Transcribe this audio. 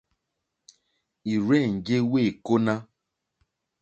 Ì rzênjé wêkóná.